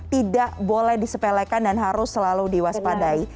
tidak boleh disepelekan dan harus selalu diwaspadai